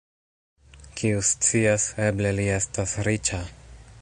Kiu scias, eble li estas riĉa!